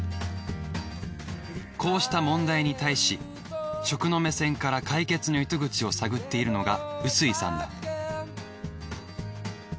こうした問題に対し食の目線から解決の糸口を探っているのが臼井さんだ。